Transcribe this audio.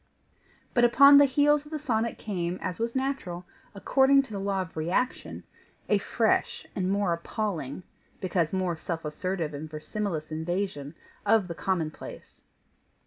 But upon the heels of the sonnet came, as was natural, according to the law of reaction, a fresh and more appalling, because more self assertive and verisimilous invasion of the commonplace.